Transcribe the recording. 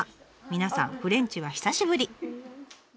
皆さんフレンチは久しぶり。